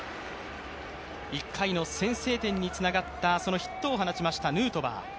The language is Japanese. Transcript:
１回の先制点につながったそのヒットを放ったヌートバー。